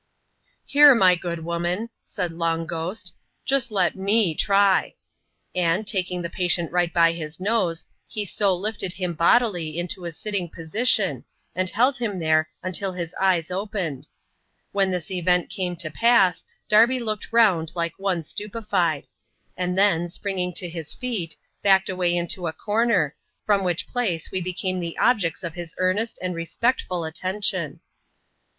^Here, my good woman/' said Ixmg Ghost, ^jaat let me try;" and, taking the patient right by his nose, he so lifted kim bodily, into a sitting position, and hcdd him there until his eyes <^ened. When this event came to pasa^ Darby looked roond like one stupefied ; and then, springing to his &et» badk^ away mto a comer, from which place we became the olgecti of his earnest and respectfol attention.